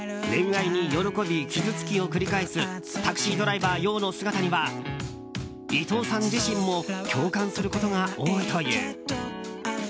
恋愛に喜び、傷つきを繰り返すタクシードライバー葉の姿には伊藤さん自身も共感することが多いという。